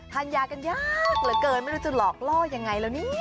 ทานยากันยากเหลือเกินไม่รู้จะหลอกล่อยังไงแล้วนี่